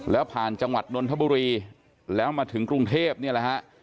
แล้วผ่านจังหวัดนนทบุรีแล้วมาถึงกรุงเทพนี่แหละฮะ